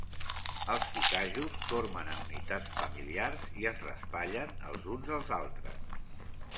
Els kikajús dormen en unitats familiars i es raspallen els uns als altres.